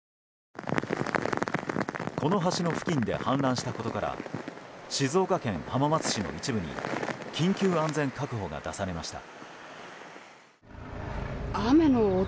この橋の付近で氾濫したことから静岡県浜松市の一部に緊急安全確保が出されました。